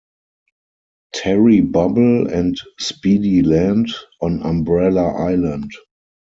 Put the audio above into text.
Terrybubble and Speedy land on Umbrella Island.